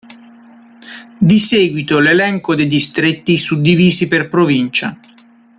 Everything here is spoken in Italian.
Di seguito l'elenco dei distretti, suddivisi per provincia.